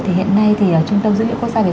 thì hiện nay thì ở trung tâm dữ liệu quốc gia